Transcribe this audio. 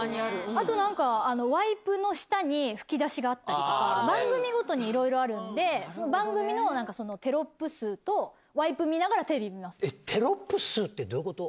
あとワイプの下に、吹き出しがあったりとか、番組ごとにいろいろあるんで、その番組のテロップ数と、ワイプ見ながら、テロップ数ってどういうこと？